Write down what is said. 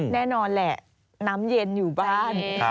แน่นอนแหละน้ำเย็นอยู่บ้าน